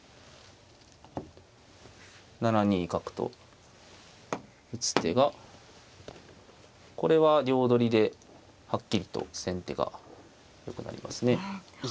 ７二角と打つ手がこれは両取りではっきりと先手がよくなりますね。